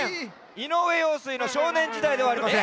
井上陽水の「少年時代」ではありません。